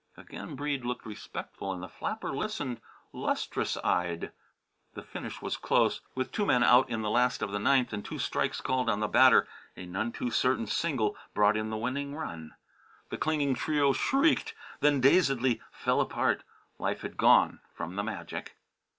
Again Breede looked respectful, and the flapper listened, lustrous eyed. The finish was close. With two men out in the last half of the ninth and two strikes called on the batter, a none too certain single brought in the winning run. The clinging trio shrieked then dazedly fell apart. Life had gone from the magic.